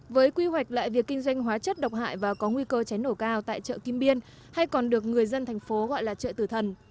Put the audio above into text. với quy hoạch lại việc kinh doanh hóa chất độc hại và có nguy cơ cháy nổ cao tại chợ kim biên hay còn được người dân thành phố gọi là chợ tử thần